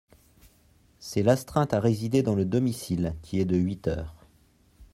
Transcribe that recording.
C’est l’astreinte à résider dans le domicile qui est de huit heures.